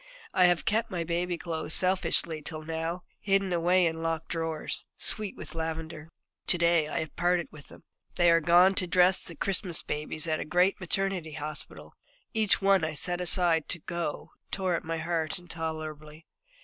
I have kept my baby clothes selfishly till now, hidden away in locked drawers, sweet with lavender. To day I have parted with them. They are gone to dress the Christmas babies at a great maternity hospital. Each one I set aside to go tore my heart intolerably.